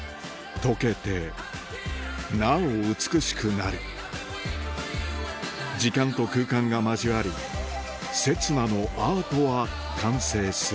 溶けてなお美しくなる時間と空間が交わる刹那のアートは完成する